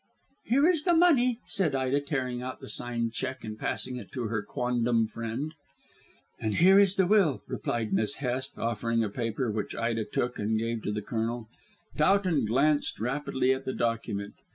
"Here is the money," said Ida tearing out the signed cheque and passing it to her quondam friend. "And here is the will," replied Miss Hest, offering a paper, which Ida took and gave to the Colonel. Towton glanced rapidly at the document.